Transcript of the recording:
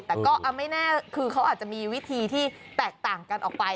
แต่ก็ไม่แน่คือเขาอาจจะมีวิธีที่แตกต่างกันออกไป